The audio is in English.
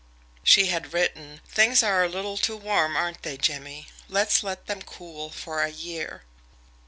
SHE had written: "Things are a little too warm, aren't they, Jimmie? Let's let them cool for a year."